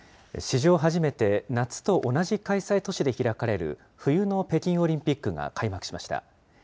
史上初めて、夏と同じ開催都市で開かれる冬の北京オリンピックが開幕しました。